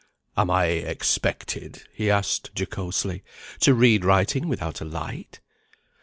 "Am I expected," he asked jocosely, "to read writing without a light?"